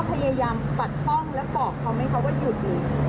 ตอนนั้นเราพยายามปัดป้องและปอกเขาทำให้เขาก็หยุดดี